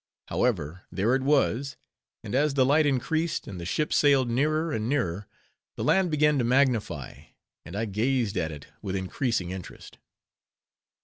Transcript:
However, there it was; and as the light increased and the ship sailed nearer and nearer, the land began to magnify, and I gazed at it with increasing interest.